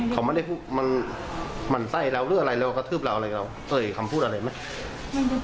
เขาไม่ได้พูดมันไส้เราหรืออะไรแล้วก็ทืบเราอะไรกับเราเอ๋ยคำพูดอะไรไหม